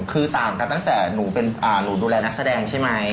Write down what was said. คือต่างกันตั้งแต่หนูเป็นหนูดูแลนักิจการใช่ไหม